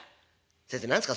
「先生何ですか？